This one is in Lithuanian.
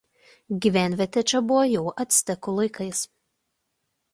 Gyvenvietė čia buvo jau actekų laikais.